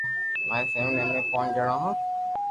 ماري فيملي امي پونچ جڻو ھون